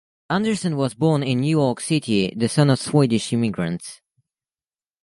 Anderson was born in New York City, the son of Swedish immigrants.